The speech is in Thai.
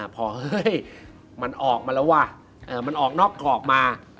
พอเฮ้ยมันออกมาแล้วว่ะมันออกนอกกรอบมา